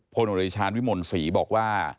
โอริชาญวิมลศรีบอกว่า